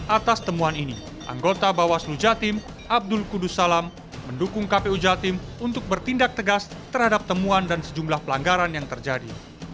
atas temuan ini anggota bawaslu jatim abdul kudus salam mendukung kpu jatim untuk bertindak tegas terhadap temuan dan sejumlah pelanggaran yang terjadi